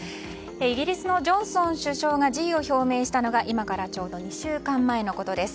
イギリスのジョンソン首相が辞意を表明したのは今からちょうど２週間前のことです。